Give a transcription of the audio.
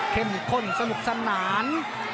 เข้มข้นสนุกสนาน